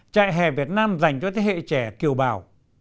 trại hè việt nam dành cho thế hệ trẻ kiều bào